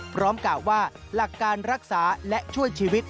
กล่าวว่าหลักการรักษาและช่วยชีวิต